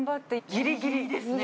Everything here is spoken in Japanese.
ギリギリですね。